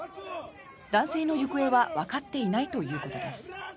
男性の行方はわかっていないということです。